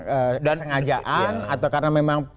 sengajaan atau karena memang